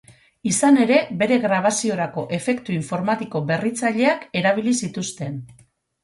Izan ere, bere grabaziorako efektu informatiko berritzaileak erabili zituzten.